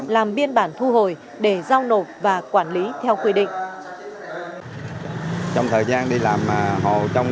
làm biên bản thu hồi để giao nộp và quản lý theo quy định